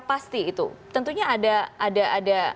pasti itu tentunya ada